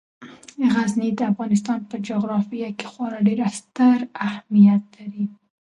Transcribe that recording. غزني د افغانستان په جغرافیه کې خورا ډیر ستر اهمیت لري.